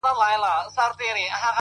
حقیقت ورو خو قوي څرګندېږي,